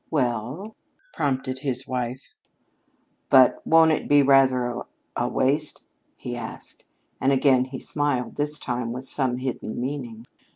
"Well?" prompted his wife. "But won't it be rather a a waste?" he asked. And again he smiled, this time with some hidden meaning.